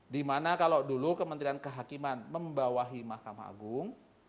dimana kalau dulu kementerian kehakiman membawahi mahkamah agung